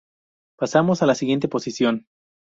Pasamos a la siguiente posición.